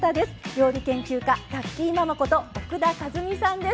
料理研究家たっきーママこと奥田和美さんです。